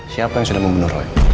siapa yang sudah membunuh roy